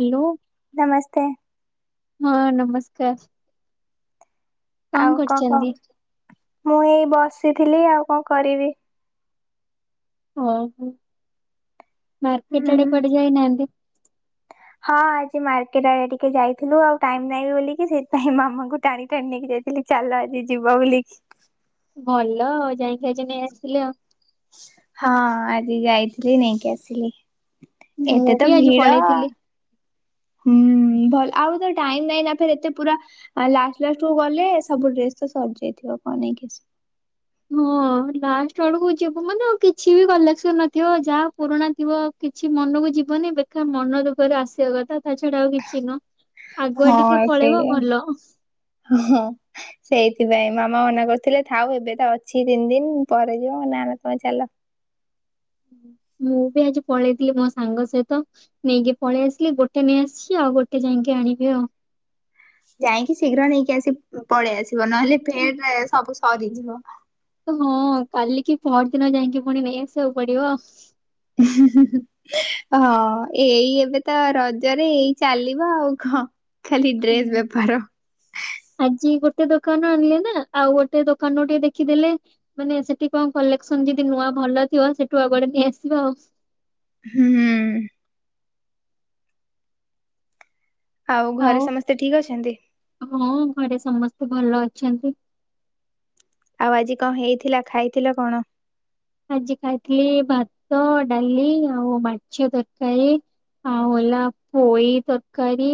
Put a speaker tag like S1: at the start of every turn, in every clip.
S1: Hello
S2: ନମସ୍ତେ
S1: ହଁ ନମସ୍କାର
S2: ଆଉ କଣ କହୁ ମୁଁ ଏଇ ବସିଥିଲି ଆଉ କଣ କରିବି।
S1: ଓହୋ ମାର୍କେଟ
S2: ହୁଁ
S1: ଆଡେ ପଡିଯାଇନାହାନ୍ତି।
S2: ହଁ ଆଜି ମାର୍କେଟ ଆଡେ ଟିକେ ଯାଇଥିଲୁ ଆଉ ଟାଇମ ନାଇଁ ବୋଲିକି ସେଥିପାଇଁ ମାମାଙ୍କୁ ଟାଣି ଟାଣି ନେଇକି ଯାଇଥିଲି। [unintelligible] ଚାଲ ଆଜି ଯିବ ବୋଲିକି।
S1: ଭଲ ଆଉ ଯାଇ ଖି ଆଜି ନେଇ ଆସିଲେ ଆଉ
S2: ହଁ ଆଜି ଯାଇଥିଲି ନେଇକି ଆସିଲି
S1: ମୁଁ
S2: ଏତେ
S1: ବି
S2: ତ
S1: ଆଜି
S2: ଭିଡ
S1: ପଳେଇଥିଲି।
S2: ହୁଁ ଭଲ ଆଉ ତ ଟାଇମ ନାଇଁ ନା ଫ ଏତେ ପୁରା ଆ ଲାଷ୍ଟ ଲାଷ୍ଟ କୁ ଗଲେ ସବୁ ଡ୍ରେସ ତ ସରିଯାଇଥିବ କଣ ନେଇକି
S1: ହଁ ଲାଷ୍ଟ ବେଳକୁ ହ ଯ ମାନେ କିଛି ବି କଲେକ୍ସନ ନଥିବ ଯାହା ପୁରୁଣା ଥିବ କିଛି ମନକୁ ଯିବନି ବେଖା ମନ ଦୁଃଖରେ ଆସିବା କଥା ତା ଛଡା ଆଉ କିଛି ନୁହଁ ଆଗୁଆ ଟିକେ ପଳେଇବ ଭଲ
S2: ହଁଁ ସେଇଥିପାଇଁ ମାମା ମନା କରୁଥିଲେ ଥାଉ ଏବେ ତ ଅଛି ତିନି ଦିନ ପରେ ଯିବ ନା ନା ତମେ ଚାଲ
S1: ମୁଁ ବି ଆଜି ପଳେଇଥିଲି ମୋ ସାଙ୍ଗ ସହିତ ନେଇକି ପଳେଇ ଆସିଲି ଗୋଟେ ନେଇ ଆସସିଛି ଆଉ ଗୋଟେ ଯାଇକି ଆଣିବି ଆଉ
S2: ଯାଇକି ଶୀଘ୍ର ନେଇକି ଆସି ପଳେଇ ଆସିବ ନହେଲେ ଫେଟରେ ସବୁ ସରିଯିବ
S1: ହଁ କାଲ କି ପର ଦିନ ଯାଇକି ପୁଣି ନେଇଆସିବାକୁ ପଡିବ
S2: ହ ହଁ ଏଇ ଏବେ ତ ରଜରେ ଏଇ ଚାଲିବ ଆଉ କଣ ଖାଲି ଡ୍ରେସ୍
S1: ହୁଁ
S2: ବେପାର
S1: ଆଜି ଗୋଟେ ଦୋକାନ ଆଣିଲେ ନା ଆଉ ଗୋଟେ ଦୋକାନ ଟିକେ ଦେଖିଦେଲେ ମାନେ ସେଠି କଣ କଲେକ୍ସନ ଯଦି ନୂଆ ଭଲ ଥିବ ସେଠୁ ଆଗଡେ ନେଇଆସିବା ଆଉ
S2: ହୁଁ ହୁଁ ଆଉ ଘରେ ସମସ୍ତେ ଠିକ ଅଛନ୍ତି
S1: ହଁ ଘରେ ସମସ୍ତେ ଭଲ ଅଛନ୍ତି
S2: ଆଉ ଆଜି କଣ ହେଇଥିଲା ଖାଇଥିଲ କଣ
S1: ଆଜି ଖାଇଥିଲି ଭାତ ଡାଲି ଆଉ ମାଛ ତରକାରୀ ଆଉ ହେଲା ପୋଇ ତରକାରୀ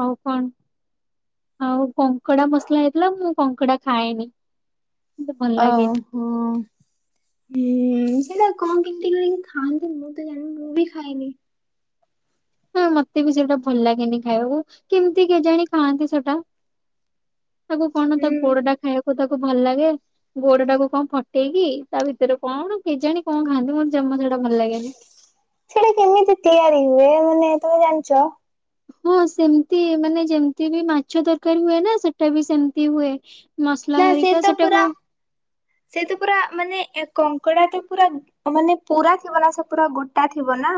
S1: ଆଉ କଣ ଆଉ କଙ୍କଡା ମସଲା ହେଇଥିଲା ମୁଁ କଙ୍କଡା ଖାଏନି ମତେ ଭଲ
S2: ଓ
S1: ଲାଗେନି।
S2: ହୋ ହୁଁ ସେଇଟା କଣ କେମିତି କରିକି ଖାଆନ୍ତି ମୁଁ ତ ଜାଣିନି ମୁଁ ବି ଖାଇନି
S1: ହଁ ମତେ ବି ସେଇଟା ଭଲ ଲାଗେନି ଖାଇବା କେମିତି କେଜାଣି ଖାଆନ୍ତି ସେଟା ତାକୁ କଣ ତା
S2: ହୁଁ।
S1: ଗୋଡ ଟା ଖାଇବାକୁ ତାକୁ ଭଲ ଲାଗେ ଗୋଡଟାକୁ କଣ ଫଟେଇକି ତା ଭିତରେ କଣ କେଜାଣି କଣ ଖାଆନ୍ତି ମୋର ଜମା ଛାଡା ଭଲ ଲାଗେନି
S2: ସେଇଟା କେମିତି ତିଆରି ହୁଏ ମାନେ ତମେ ଜାଣିଛ
S1: ହଁ ସେମିତି ମାନେ ଯେମତି ବି ମାଛ ଦରକାର ହୁଏ ନା ସେଟା ବି ସେମିତି ହୁଏ ମସଲା ଧରିକା ସେଟାକୁ
S2: ସେଇତୁ ପୁରା ମାନେ ଏ କଙ୍କଡ଼ା ଟେ ପୁରା ମାନେ ପୁରା ଥିବ ନା ସେ ପୁରା ଗୋଟା ଥିବ ନା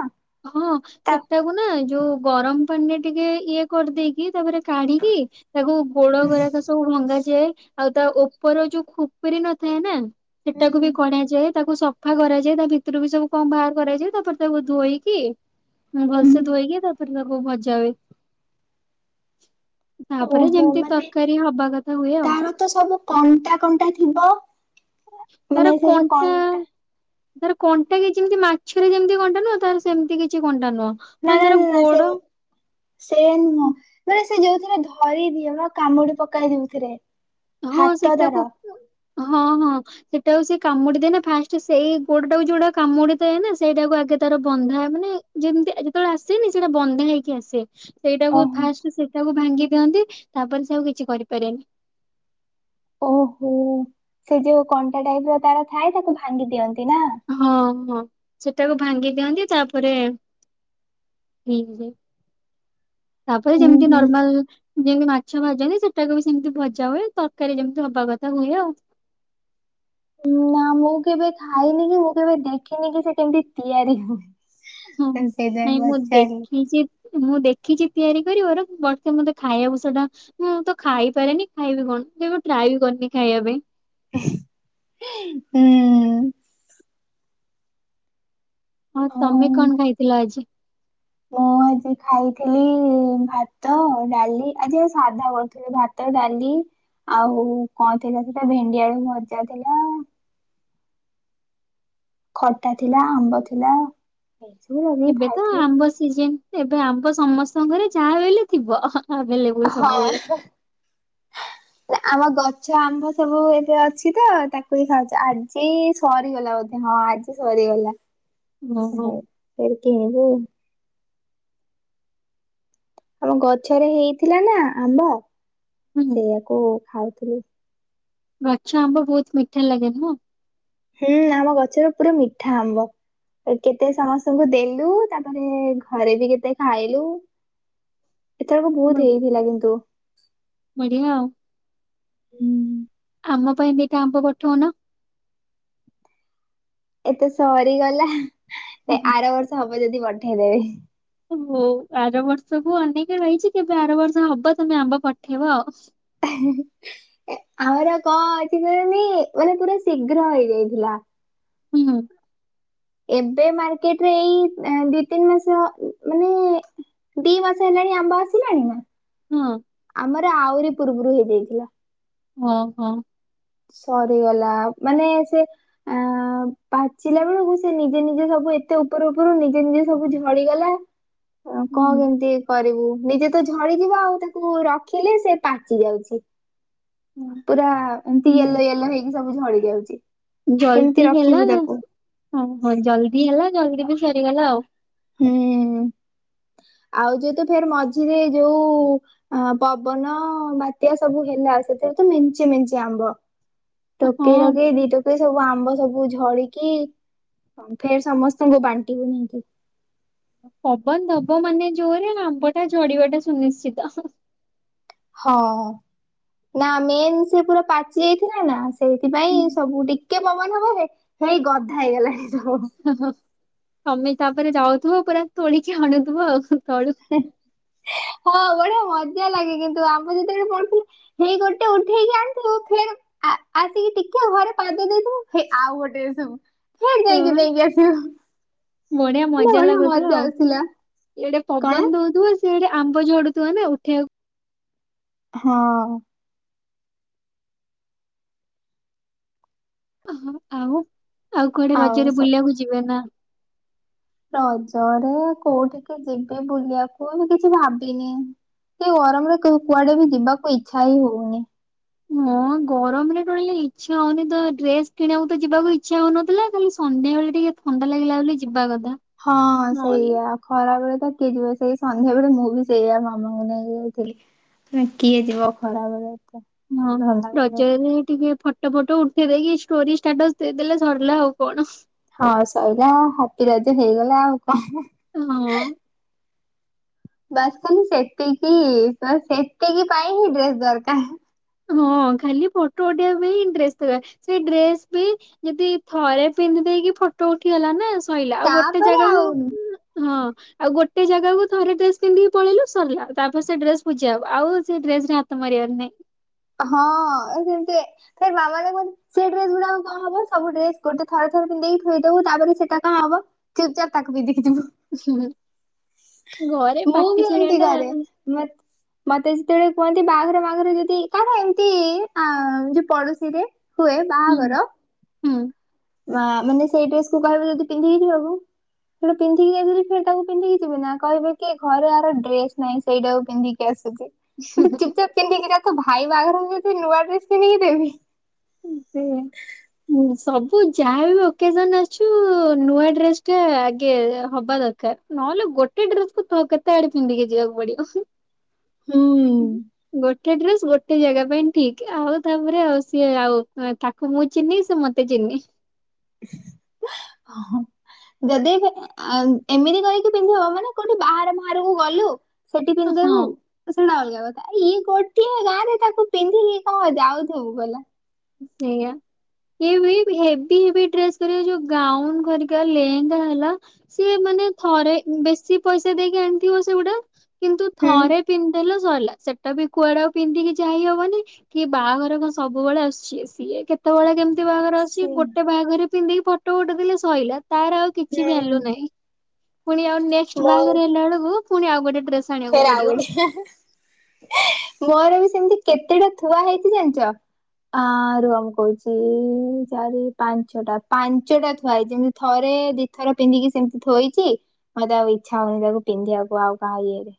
S1: ହଁ
S2: ତା
S1: ସେଟାକୁ ନା ଯୋଉ ଗରମ ପାଣିରେ ଟିକେ ଇଏ କରିଦେଇକି ତାପରେ କାଢିକି ତାକୁ ଗୋଡ ଗକ ସବୁ ଭଙ୍ଗାାଯାଏ ଆଉ ତା ଉପର ଯୋଉ ଖୁପରି ନଥାଏ ନା
S2: ହୁଁ
S1: ସେଟାକୁ ବି କଣାଯାଏ ତାକୁ ସଫା କରାଯାଏ ତା ଭିତରୁ ବି ସବୁ କମ ବାହାର କରାଯାଏ ତାପରେ ତାକୁ ଧୋଇକ କି ମୁଁ
S2: ହୁଁ।
S1: ଭଲସେ ଧୋଇକି ତାପରେ ତାକୁ ଭଜାବେ ତାପରେ
S2: ଓହୋ
S1: ଯେମିତି
S2: ମାନେ
S1: ତରକାରୀ ହବା କଥା ହୁଏ ଆଉ
S2: ତାର ତ ସବୁ କଣ୍ଟା କଣ୍ଟା ଥିବ ମାନେ ସେ ଯୋଉ କଣ୍ଟା
S1: ତାର କଣ୍ଟା କି ଯେମିତି ମାଛରେମତି କଟା ନୁହଁ ତାର ସେମିତି କିଛି କଣ୍ଟା ନୁହଁ
S2: ନା
S1: ମାନେ
S2: ନା
S1: ତାର
S2: ନା
S1: ଗୋଡ
S2: ସେ ସେ ନୁହଁ ବାନେ ସେ ଯୋଉଥିରେ ଧରି ଦିଅ ବା କାମୁଡି ପକେଇ ଦଉଥିରେ
S1: ହଁ ସେଟକୁ ହଁ ହଁ ସେଟାଉ ସେ କାମୁଡିଥାଏ ନା ଫାଷ୍ଟ ସେଇ ଗୋଡାକୁ ଯୋଉଟା କାମୁଡିଥାଏ ନା ସେଇଟାକୁ ଆଗେ ତାର ବନ୍ଧାଏ ମାନେ ଯେମିତି ଯେତେବେଳେ ଆସେନି ସେଇଟା ବନ୍ଦ ହେଇକି ଆସେ ସେଇଟାକୁ
S2: ଓହୋ
S1: ଫାଷ୍ଟ ସେଇଟାକୁ ଭାଙ୍ଗି ଦିଅନ୍ତି ତାପରେ ସେ ଆଉ କିଛି କରିପାରନି
S2: ଓହୋ ସେ ଯୋଉ କଣ୍ଟା ଟାଇପ୍ ର ତାର ଥାଏ ତାକୁ ଭାଙ୍ଗି ଦିଅନ୍ତି ନା।
S1: ହଁ ହଁ ସେଟାକୁ ଭାଙ୍ଗି ଦିଅନ୍ତି ତାପରେ। ଠିକ୍ ଯେ ତାପରେ
S2: ହୁଁ
S1: ଯେମିତି
S2: ହୁଁ।
S1: ନର୍ମାଲ। ଯେମତି ମାଛ ଭାଜନ୍ତି ସେଟାକୁ ବି ସେମିତି ଭଜା ହୁଏ ତରକାରୀ ଯେମିତି ହବା କଥା ହୁଏ ଆଉ।
S2: ନା ମୁଁ କେବେ ଖାଇନି କି ମୁଁ କେବେ ଦେଖିନି କି ସେ କେମିତି ତିଆରି ହୁଏ।
S1: ହଁ
S2: ତ ସେଇଥିପାଇଁ
S1: ନାଇଁ ମୁଁ
S2: ପଚାରିଲି।
S1: ଦେଖିଛି। ମୁଁ ଦେଖିଛି ତିଆରି କରିବାର ବର୍େ ମତେ ଖାଇବାକୁ ସେଟା। ମୁଁ ତ ଖାଇପାରେନି ଖାଇବି କଣ। ମୁଁ କେବେ ଟ୍ରାଏ ବି କରିନି ଖାଇବା ପାଇଁ।
S2: ହୁଁ।
S1: ହଁ ତମେ କଣ ଖାଇଥିଲ ଆଜି?
S2: ମୁଁ ଆଜି ଖାଇଥିଲି ଭାତ, ଡାଲି ଆଜି ପା ସାଧା କରିଥିଲି ଭାତ, ଡାଲି। ଆଉ କଣ ଥିଲା ସେଟା ଭେଣ୍ଡି ଆଳୁ ଭଜା ଥିଲା। ଖଟା ଥିଲା, ଆମ୍ବ ଥିଲା। [unintelligible]
S1: ଏବେ ତ ଆମ୍ବ ସିଜନ ଏବେ ଆମ୍ବ ସମସ୍ତଙ୍କ ଘରେ ଯାହା ବି ହେଲେ ଥିବ ଆଭେଲବୁଲ୍।
S2: ହଁ। ଆମ ଗଛ ଆମ୍ବ ସବୁ ଏବେ ଅଛି ତ ତାକୁ ହିଁ ଖାଉଛି ଆଜି ସରିଗଲା ବୋଧେ ହଁ ଆଜି। ସରିଗଲା
S1: ଓହୋ
S2: ଫେରେ କିଣିବୁ। ଆମ ଗଛରେ ହେଇଥିଲା ନା ଆମ୍ବ
S1: ହୁଁ
S2: ସେଇୟାକୁ ଖାଉଥିଲି।
S1: ଗଛ ଆମ୍ବ ବହୁତ ମିଠା ଲାଗେନା।
S2: ହୁଁ ଆମ ଗଛରେ ପୁରା ମିଠା ଆମ୍ବ। କେତେ ସମସ୍ତଙ୍କୁ ଦେଲୁ ତାପରେ ଘରେ ବି କେତେ ଖାଇଲୁ। ଏତେବେଳକୁ ବହୁତ
S1: ବଢିଆ
S2: ହେଇଥିଲା କିନ୍ତୁ
S1: ବଢିଆ ଆଉ।
S2: ହୁଁ।
S1: ଆମ ପାଇଁ ଦିଟା ଆମ୍ବ ପଠଉନ।
S2: ଏତେ ସରିଗଲା ଆର ବର୍ଷ ହବ ଯଦି ପଠେଇଦେବି।
S1: ଓହୋ ଆର ବର୍ଷକୁ ଅନେଇକି ରହିଛି କେବେ ଆର ବର୍ଷ ହବ ତମେ ଆମ୍ବ ପଠେଇବ ଆଉ।
S2: ଆମର କ ଅଛି କେଜାନି ମାନେ ପୁରା ଶୀଘ୍ର ହେଇଯାଇଥିଲା।
S1: ହୁଁ।
S2: ଏବେ ମାର୍କେଟରେ ଏଇ ଦି ତିନି ମାସ ହ ମାନେ। ଦି ମାସ ହେଲାଣି ଆମ୍ବ ଆସିଲାଣି ନା
S1: ହଁ
S2: ଆମର ଆହୁରି ପୂର୍ବରୁ ହେଇଯାଇଥିଲା।
S1: ଓ ହୋ।
S2: ସରିଗଲା ମାନେ ସେ। ଆ ପାଚିଲା ବେଳକୁ ସେ ନିଜେ ନିଜେ ସବୁ ଏତେ ଉପରୁ ଉପରୁ ନିଜେ ନିଜେ ସବୁ ଝଡିଗଲା। କଣ
S1: ହୁଁ।
S2: କେମିତି କରିବୁ ନିଜେ ତ ଝଡିଯିବ ଆଉ ତାକୁ ରଖିଲେ ସେ ପାଚି ଯାଉଛି। ପୁରା ଏମିତି ୟେଲୋ ୟେଲୋ ହେଇକି ସବୁ ଝଡି ଯାଉଚି।
S1: ଜଲଦି ହେଲା ହ ହ ଜଲଦି ହେଲା ଜଲଦି ବି ସରିଗଲା ଆଉ।
S2: ହୁଁ, ଆଉ ଯେତୁ ଫେର ମଝିରେ ଯୋଉ। ଆ ପବନ ବାତ୍ୟା ସବୁ ହେଲା ସେଥିରେ ତ ମେଞ୍ଚେ ମେଞ୍ଚେ ଆମ୍ବ। ଟୋକେଇ
S1: ହଁ
S2: ରକେଇ ଦି ଟୋକେଇ। ସବୁ ଆମ୍ବ ସବୁ ଝଡ଼ିକି ଫେର ସମସ୍ତଙ୍କୁ ବାଣ୍ଟିବୁ ନେଇକି।
S1: ପବନ ଦବ ମାନେ ଜୋରେ ଆମ୍ବ ଟା ଝଡିବା ଟା ସୁନିଶ୍ଚିତ।
S2: ହଁ। ନା ମେନ୍ ସେ ପୁରା ପାଚି ଯାଇଥିଲା ନା ସେଇଥିପାଇଁ ସବୁ ଟିକେ ପବନ ହବ ହେ। ହେଇ ଗଧା ହେଇଗଲାଣି ସବୁ।
S1: ଓହୋ ତମେ ତାପରେ ଯାଉଥିବ ପୁରା ତୋଳିକି ଆଣୁଥିବ ଆଉ ତଳୁ।
S2: ହଁ ବଢିଆ ମଜା ଲାଗେ କିନ୍ତୁ ଆମ ଯେତେବେଳେ ପଡୁଥିଲୁ। ହେଇ ଗୋଟେ ଉଠେଇିକି ଆଣିଥିବୁ ଫେରେ। ଆ ଆସିକି ଟିକେ ଘରେ ପାଦ ଦେଇଥିବୁ ହେ ଆଉ ଗୋଟେ ସବୁ। ହେ ଯାଇକି
S1: ହଁ
S2: ନେଇକି ଆସିବୁ ହେଲେ ବଢିଆ ମଜା ଆସଥିଲା।
S1: ସେଇଡେ ପବନ ଦଉଥଥିବା ସେଡେ ଆମ୍ବ ଝଡୁଥିବ ନା ଉଠେଇବାକୁ।
S2: ହଁ।
S1: ଓହୋ ଆଉ ଆଉ କୁଆଡେ ରଜରେ ବୁଲିବାକୁ ଯିବେ ନା।
S2: ରଜରେ କୋଉଠିକି ଯିବି ବୁଲିବାକୁ ମୁଁ କିଛି ଭାବିନି। ସେ ଗରମ ରେ କେଉ କୁଆଡେ ବି ଯିବାକୁ ଇଚ୍ଛା ହି ହଉନି।
S1: ହଁ ଗରମରେ ଟଳିଲଲେ ଇଚଛା ହଉନି ତ ଡ୍ରେସ କିଣିବାକୁ ତ ଯିବାକୁ ଇଚ୍ଛା ହଉନଥିଲା ଖାଲି ସନ୍ଧ୍ୟାବେେଳେ ଟିକେ ଥଣ୍ଡା ଲାଗିଲା ବୋଲି ଯିବା କଦ
S2: ହଁ ସେଇଆ। ଖରା ବଳେ ତ କିଏ ଯିବ ସେଇ ସନ୍ଧ୍ୟା ବେଳେ ମୁଁ ବି ସେଇଆା ମାମାଙ୍କୁ ନେଇକି ଯାଇଥିଲି। ସେ କିଏ ଯିବ ଖରାପ ରେ ଏ ତେ
S1: ହଁ ରଜରେ ଟିକେ ଫୋଟ ଫଟ ଉଠେଇ ଦେଇକି ଷ୍ଟୋରି ଷ୍ଟାଟସ ଦେଲେ ସରିଲା ଆଉ କଣ?
S2: ହଁ ଶୋଇିଲ ହାପି ରାଜ ହେଇଗଲା ଆଉ କଣ?
S1: ହଁ।
S2: ବାସ ସେତିକି ସେତିକି ପାଇ ହିଁ ଡ୍ରେସ ଦରକାର।
S1: ହଁ ଖାଲି ପଟୋ ଉଡେଇିବା ପାଇଁ ଇଣ୍ଟଷ୍ଟ ସେଇ ଡ୍ରେସ ବି ଯଦି ଥରେ ପିନ୍ଧି ଦେଇକି ଫଟୋ ଉଠିଗଲା ନା ଶୋଇଲା ଆଉ ଗୋଟେ
S2: ତାପରେ ଆଉ
S1: ଜାଗାକୁ ହଁ ଆଉ ଗୋଟେ ଜାଗାକୁ ଥରେ ଡ୍ରେସ ପିଧିକି ପଳେଇଲୁ ସରିଲା ତାପରେ ସେ ଡ୍ରେ ପୋ ହବ ଆଉ ସେ ଡେସ ରେ ମନେ
S2: ହଁ ସେମିତି ସେ ବାାମା କନ୍ତି ସେ ଡେ ଗୁଡା କଣ ହବୁ ଡ୍ରେସ ଗୋଟେ ଥ ଥ ପିନ୍ଧିକି ଥୋଇଦବ ତାପରେ ସେଇଟା କଣ ହବ ଚର୍ ଚାରି ତାକୁ ବି ଦେଖିଯିବ
S1: ହୁଁ ଘରେ ପଟିି ଚୁଣଟ
S2: ମେ ମତେ ଯେତେବେଳେ କୁହନ୍ତି ବାହାଘର ବାହାଘରେ ଯଦି କାର ଏମିତି ଅ ଯୋଉ ପଡୋଶୀରେ ହୁଏ
S1: ହୁଁ
S2: ବାହାଘର
S1: ହୁଁ
S2: ବା ମାନେ ସେଇ ଡ୍ରେ କୁ କହିବେ ଯଦି ପିନ୍ଧି ଯିବ ବାବୁ ସେଟା ପିନ୍ଧିକି ଯାଇଥିଲି ଫ ତାକୁ ପିଧିକି ଯିବି ନା କହିବେ କି ଘରେ ଆର ଡ୍ରେସ ନାହିଁ ସେଇଟାକୁ ପିନ୍ଧିକି ଆସୁଛି ଗେ ଚୁପପ ପିନ୍ଧିକି ଯ ତ ଭାଇ ବାହାଘରେକୁ ଯ ନୂଆ ଡ୍ରେସ କିିଧିକି ଦେବି
S1: ସେ ଁ ସବୁ ଯାହାବ ଓକେଜନ ଆଛୁ ନୂଆ ଡ୍ରେସ ଟା ଆଗେ ହବା ଦରକାର ନହେଲେ ଗୋଟେ ଡ୍ରେସ କ କେତେ ଆଡେ ପିନ୍ଧିକି ଯିବାକୁ ପଡିବ
S2: ହୁଁ।
S1: ଗୋଟେ ଡ୍ରେସ ଗୋଟେ ଜାଗା ପାଇଁ ଠିକ ଆଉ ତାପରେ ଆଉ ସିଏ ଆଉ ତାକୁ ମୁଁ ଚିହ୍ନି ସେ ମତେ ଚିହ୍ନି [inaudible]
S2: ଯଦି ଏମିତି କରିକି ପିନ୍ଧିବ ମାନେ କୋଉଠି ବାହାର ବାହାରକୁ ଗଲୁ ସେଠି ପିନ୍ଧବୁ
S1: ହଁ
S2: ଶୁଣା ଅଲଗା କଥା ଇଏ ଗୋଟିଏ ଗାଁ ରେ ତାକୁ ପିନ୍ଧିକି କଣ ଆଉଥିବବୁ ବଲା
S1: ସେଇଆା ଏ ହେଭି ହେ ଡ୍ରେସ୍ କର ଯୋଉ ଗାଉନ କରିକା ଲେହେଙ୍ଗା ହେଲା ସିଏ ମାନେ ଥରେ ବେଶୀ ପଇସା ଦେଇକି ଆଣିଥିବ ସେଗୁଡା କିନ୍ତୁ
S2: ହୁଁ।
S1: ଥରେ ପିନ୍ଧେଲେ ସେଟା ବି କୁଆଡେକୁ ପିନ୍ଧିକି ଯାଇ ହବନି କି ବାହାଘର କଣ ସବୁବେଳେ ଆସ ସି ସିଏ କେତେବେଳେ କେମିତି ବାଘର ଅଛି
S2: ସେ
S1: ଗୋଟେ ବାହାଘରେ ପିନ୍ଧିକି ଫଟୋ ଫୋଟ ଦେଲେ ସିଲା ତାର ଆଉ କିଛି ବି
S2: ହୁଁ
S1: ଆଲୁ ନାହିଁ ପୁଣି ଆଉ ନେକ୍
S2: ମୋ
S1: ବାରେ ହେଲା ବେଳକୁ ପୁଣି ଆଉ ଗୋଟେ ଡ୍ରେସ ଆଣିବାକୁ
S2: ଫେରେ
S1: ପଡିବ।
S2: ଆଉଗଡ ମୋର ବି ସେମିତି କେତେଟା ଥୁଆ ହେଇଛି ଜାଣିଛ ଆ ର ଆମ କହୁଛି ଚାରି ପାଞ୍ଚଟା ପାଞ୍ଚଟା ଥୁଆଇ ଯେମିତି ଥରେ ଥର ପିନ୍ଧିକି ସେମିତି ଥୋଇଛି ମତେ ଆଉ ଇଚଛା ହଉନି ତାକୁ ପିଧିବାକୁ ଆଉ କାହା ଇଏରେ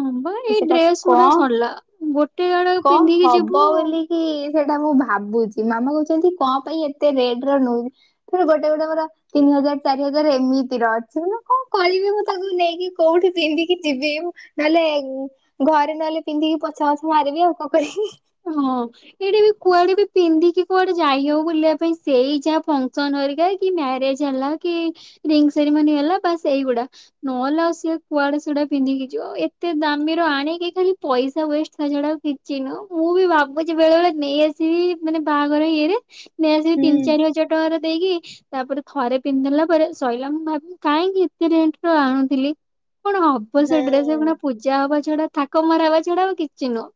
S1: ହଁ ବା ଏଇ
S2: ସେଟା
S1: ଡ୍ରେସ ଗୁଡା
S2: କଣ
S1: ସରିଲା ଗୋଟେ ଆଡେ
S2: କଣ
S1: ପିନ୍ଧିକି
S2: ହବ
S1: ଯିବୁ
S2: ବୋଲି ହ ସେଇଟା ମୁଁ ଭାବୁଛି ମାମା କହୁଛନ୍ତି କଣ ପାଇଁ ଏତେ ରେଟ ର ନଉଛି ସେ ଗୋଟେ ଗୋଟେୋର ତିନି ହଜାର ଚାରି ହଜାର ଏମିତିର ଅଛି ମାନେ କଣ କହିବି ମୁଁ ତାକୁ ନେଇକି କୋଉଠି ପିନ୍ିବି ଯିବି ନହେଲେ ଘରେ ନହେଲେ ପିନ୍ଧିକି ପୋଛା ବଛ ମାରିବି ଆଉ କଣ କରିକି
S1: ହଁ ଏଇଟି ବି କୁଆଡେ ବି ପିନ୍ଧିକି କୁଆଡେ ଯାଇ ହବ ବୁଲିବା ପାଇଁ ସେଇ ଯାହା ଫଙ୍କସନ ହରିକା କି ମ୍ୟାରେଜ ହେଲା କି ରିଙ୍ଗ ସେରିମୋନି ହେଲା ବାସ୍ ଏଇଗୁଡା ନହେଲେ ଆଉ ସ କୁଆଡେ ସଡା ପିନ୍ଧିକି ଯିବ ଆଉ ଏତେ ଦାମି ର ଆଣିକି ଖାଲି ପଇସା ୱେଷ୍ଟ ଡା କିଚିନୁ ଭାବୁଛି ବେଳେ ବେଳେ ନେଇଆସିବି ମାନେ ବାହାଘର ଇଏରେ ନେଇ ଆସିବି ତିନି
S2: ହୁଁ
S1: ଚାରି ହଜାର ଟଙ୍କାର ଦେଇକି ତାପରେ ଥରେ ପିନ୍ଧିିଲଲା ପରେ ସୋଇଲା ମୁଁ ଭାବି କାହିଁକି ଏତେ ରେଟ ର ଆଣୁଥିଲି କଣ ହବ ସେ ଡ୍ରେସ
S2: ହୁଁ
S1: କ ପୂଜା ହବା ଛଡା ଥାକ ମରା ହେବା ଛଡା ଆଉ କିଛି ନୁହଁ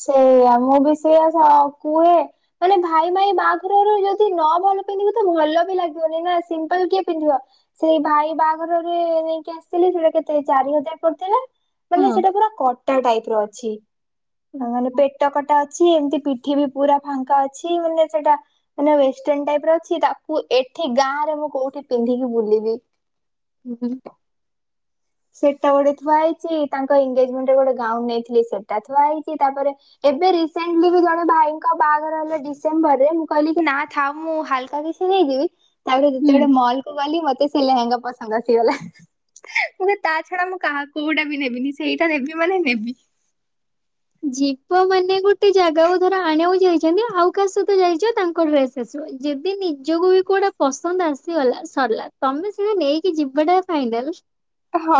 S2: ସେଇଆା ମୁଁ ବି ସେଇଆା କୁହେ ମାନେ ଭାଇ ଭାଇ ବାହାଘରରୁ ଯଦି ନ ଭଲ ପିନ୍ଧିବ ତ ଭଲ ବି ଲାଗିବନି ନା ସିମ୍ପଲ କିଏ ପିନ୍ଧିବ ସେଇ ଭାଇ ବାହାଘରରେ ନେଇକି ଆସିଥିଲି ସେଟା କେତେ ଚାରି ହଜାର ପଡିଥିଲା। ମାନେ ସେଟା ପୁରା କଟା ଟାଇପ୍ ର ଅଛି। ଅଁ
S1: ହଁ।
S2: ମାନେ ପେଟ କଟା ଅଛି ଏମିତି ପିଠି ବି ପୁରା ଫାଙ୍କା ଅଛି ମାନେ ସେଟା ମାନେ ୱେଷ୍ଟେନ୍ ଟାଇପ୍ ର ଅଛି ତାକୁ ଏଠି ଗାଁ ରେ ମୁଁ କୋଉଠି ପିନ୍ଧିକି ବୁଲିବି।
S1: [unintelligible]
S2: ସେଟା ଗୋଟେ ଥୁଆ ହେଇଚି ତାଙ୍କ ଏଙ୍ଗେଜମେଣ୍ଡ ରେ ଗୋଟେ ଗାଉନ ନେଇଥିଲି ସେଟା ଥୁଆ ହେଇଚି ତାପରେ ଏବେ ରିସେଣ୍ଟଲି ବି ଜଣେ ଭାଇଙ୍କ ବାହାଘର ହେଲେ ଡିସେମ୍ବର ରେ ମୁଁ କହିଲି କି ନା ଥାଉ ମୁଁ ହାଲକା କି ଛି ହେଇଯିବି ତାପରେ
S1: ହୁଁ
S2: ଯେତେବେଳେ ମଲ କୁ ଗଲି ମତେ ସେ ଲେହେଙ୍ଗା ପସନ୍ଦ ଆସିଗଲା।
S1: [inaudible]
S2: ମୁଁ କହି ତା ଛଡା ମୁଁ କାହା କୋଉଡ଼ା ବି ନେବିନି ସେଇଟା ନବି ମାନେ ନେବି।
S1: ଜୀପ ମାନେ ଗୋଟେ ଜାଗାକୁ ଧର ଆଣିବାକୁ ଯାଇଚନ୍ତି ଆଉ କାହା ସହିତ ଯାଇଚ ତାଙ୍କ ଡ୍ରେସ୍ [unintelligible] ଯଦି ନିଜକୁ ବି କେଉଟା ପସନ୍ଦ ଆସିଗଲା ସରଲା ତମେ ସେଇଟା ନେଇକି ଯିବାଟା [unintelligible]
S2: ହଁ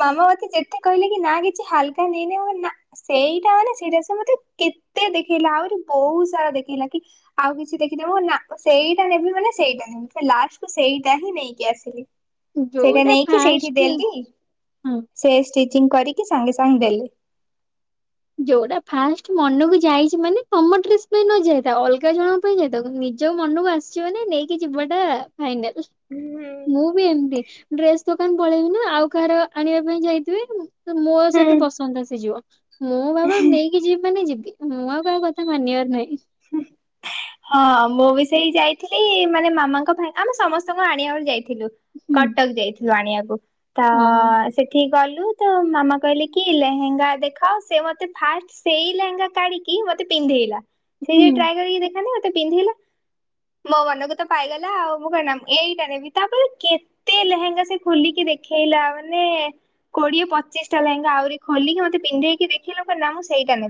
S2: ମାମା ମତେ ଯେତେ କହିଲେ କି ନା କିଛି ହାଲକା ନେଇନେ ମୁଁ କହିଲି ନା। ସେଇଟା ମାନେ ସେଇଡ଼ା ସେ ମତେ କେତେ ଦେଖେଇଲା ଆହୁରି ବୋହୁତ ସାରା ଦେଖେଇଲା କି ଆଉ କିଛି ଦେଖିଦେବ ନା ମୁଁ ସେଇଟା ନେବି ମାନେ ସେଇଡ଼ା ନେବି ଲାଷ୍ଟକୁ ସେଇଟା ହିଁ ନେଇକି ଆସିଲି। ସେଇଟା
S1: ଯୋଉଡ଼ା
S2: ନେଇକି ସେଇଠି ଦେଲି ସେ ଷ୍ଟିଚିଙ୍ଗି କରିକି ସାଙ୍ଗେ ସାଙ୍ଗେ ଦେଲେ।
S1: ଯୋଉଡ଼ା ଫାଷ୍ଟ ମନୁକୁ ଯାଇଛି ମାନେ ତମ ଡ୍ରେସ ପାଇଁ ନ ଯାଇଥା ଅଲଗା ଜଣ ପାଇଁ ଯାଇଥାଏ କିନ୍ତୁ ନିଜ ମନୁକୁ ଆସିିବ ନା ମାନେ ନେଇକି ଯିବାଟା ଫାଇନାଲ୍
S2: ହୁଁ
S1: ମୁଁ ବି ଏମିତି ଡ୍ରେସ୍ ଦୋ କାନ ପଳେଇବି ନା ଆଉ କାହାର ଆଣିବା ପାଇଁ ଯାଇଥିବି ମୋର
S2: ହୁଁ।
S1: ସେଠି ପସନ୍ଦ ଆସିଯିବ। ମୁଁ ବାବା ନେଇକି ଯିବି ମାନେ ଯିବି ମୁଁ ଆଉ କହା କଥା ମାନିବାର ନାହିଁ।
S2: [unintelligible] ହଁ ମୁଁ ବି ସେଇ ଯାଇଥିଲି ମାନେ ମାମାଙ୍କ ପାଇଁ ଆମେ ସମସ୍ତଙ୍କୁ ଆଣିବା [unintelligible] ଯାଇ ଥିଲୁ
S1: ହୁଁ
S2: କଟକ ଯାଇଥିଲୁ ଆଣିବାକୁ ତ
S1: ହଁ।
S2: ସେ ଠିକି ଗଲୁ ତ ମାମା କହିଲେ କି ଲେହେଙ୍ଗା ଦେଖାଅ ସେ ମତେ ଫାଷ୍ଟ ସେଇ ଲେହେଙ୍ଗା କାଢ଼ି କି ମତେ ପିନ୍ଧେଇଲା ସେଇ ଯୋଉ
S1: ହୁଁ।
S2: ଟ୍ରାଏ କରିକି ଦେଖାନ୍ତି ମତେ ପନ୍ଧେଇଲା ମୋ ମନକୁ ତ ପାଇଗଲା ଆଉ ମୁଁ [unintelligible] ନା ଏଇଟା ନେବି ତାପରେ କେ ତେ ଲେହେଙ୍ଗା ସେ ଖୋଲିକି ଦେଖେଇଲା ମାନେ କୋଡ଼ିଏ ପଚିଶଟା ଲେହେଙ୍ଗା ଆହୁରି ଖୋଲିକି ମତେ ପିନ୍ଧେଇକି ଦେଖିଲେ ମୁଁ [unintelligible] ନା ମୁଁ ସେଇଟା ନେବି।